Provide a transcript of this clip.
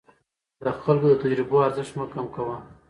د خلکو د تجربو ارزښت مه کم کوه.